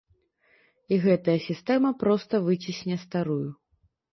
І гэтая сістэма проста выцісне старую.